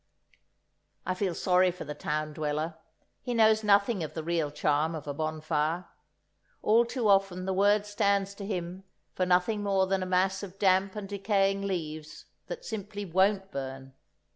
I feel sorry for the town dweller; he knows nothing of the real charm of a bonfire. All too often the word stands to him for nothing more than a mass of damp and decaying leaves that simply won't burn.